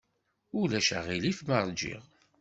Ulac aɣilif ma ṛjiɣ.